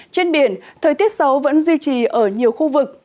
trên biển thời tiết xấu vẫn duy trì ở nhiều khu vực